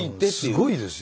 すごいですよ。